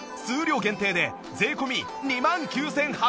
数量限定で税込２万９８００円